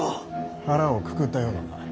腹をくくったようだな。